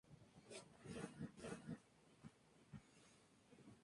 Si ambos luchadores están fuera del ring, el conteo se inicia para ambos.